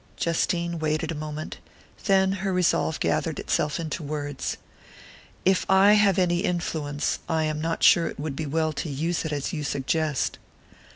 Justine waited a moment; then her resolve gathered itself into words. "If I have any influence, I am not sure it would be well to use it as you suggest."